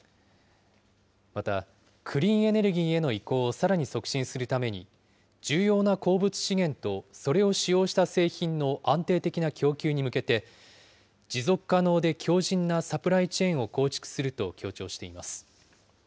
またクリーンエネルギーへの移行をさらに促進するために、重要な鉱物資源と、それを使用した製品の安定的な供給に向けて、持続可能で強じんなサプライチェーンを構築すると強調しています。